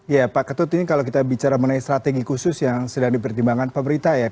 ya pak ketut ini kalau kita bicara mengenai strategi khusus yang sedang dipertimbangkan pemerintah ya